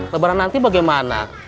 lebaran nanti bagaimana